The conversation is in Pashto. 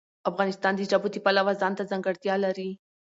افغانستان د ژبو د پلوه ځانته ځانګړتیا لري.